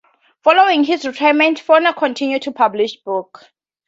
Following his retirement, Foner continued to publish books.